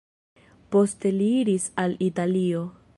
Poste li iris al Italio.